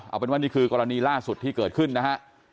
เอาเป็นว่านี่คือกรณีล่าสุดที่เกิดขึ้นนะฮะ